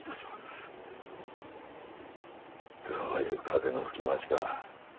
どういう風の吹き回しか。